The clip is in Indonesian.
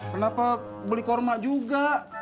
kenapa beli kurma juga